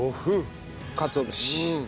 かつお節。